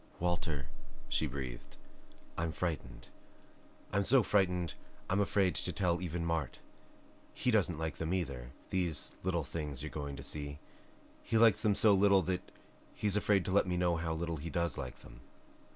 "Walter," she breathed, "I'm frightened. I'm so frightened I'm afraid to tell even Mart. He doesn't like them, either, these little things you're going to see. He likes them so little that he's afraid to let me know how little he does like them."